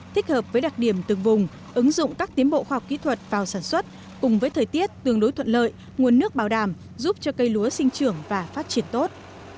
thích hợp với đặc điểm từng vùng ứng dụng các tiến bộ khoa học kỹ thuật vào sản xuất cùng với thời tiết tương đối thuận lợi nguồn nước bảo đảm giúp cho cây lúa sinh trưởng và phát triển tốt